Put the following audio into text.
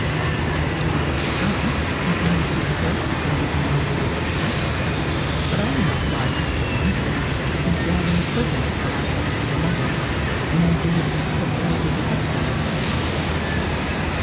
"As to the other sums," continued Gutenberg, "I can give you an exact account of them; but I am not liable for the interest, since you had an equivalent for my use of the money, and indeed appropriated it equally with myself."